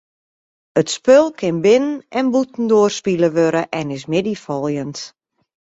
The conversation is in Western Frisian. It spul kin binnen- en bûtendoar spile wurde en is middeifoljend.